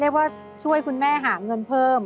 ว่าช่วยคุณแม่หาเงินเพิ่ม